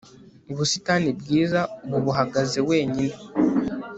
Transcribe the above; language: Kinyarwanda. ubusitani bwiza ubu buhagaze wenyine